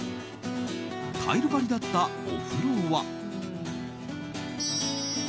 タイル張りだったお風呂は。